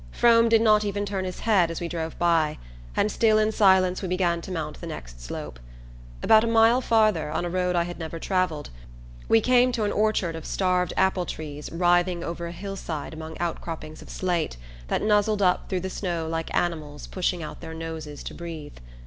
Frome did not even turn his head as we drove by, and still in silence we began to mount the next slope. About a mile farther, on a road I had never travelled, we came to an orchard of starved apple trees writhing over a hillside among outcroppings of slate that nuzzled up through the snow like animals pushing out their noses to breathe.